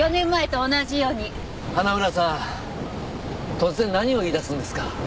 突然何を言い出すんですか？